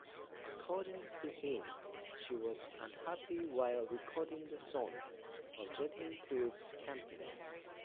According to him she was unhappy while recording the song, objecting to its campiness.